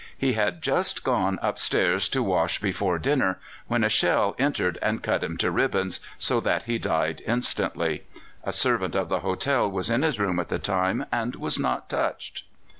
He had just gone upstairs to wash before dinner, when a shell entered and cut him to ribbons, so that he died instantly. A servant of the hotel was in his room at the time, and was not touched.